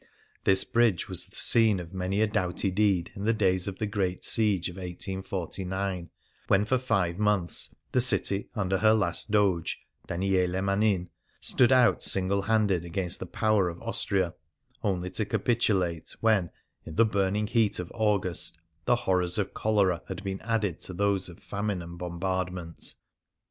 This bridge was the scene of many a doughty deed in the days of the great siege of 1849, when, for five months, the city under her last Doge, Daniele Manin, stood out single handed against the power of Austria, only to capitulate when, in the burning heat of August, the horrors of cholera had been added to those of famine and bombardment.